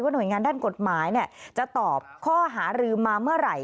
หน่วยงานด้านกฎหมายจะตอบข้อหารือมาเมื่อไหร่